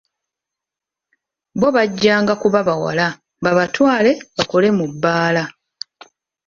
Bo bajjanga kuba bawala, babatwale, bakole mu bbaala.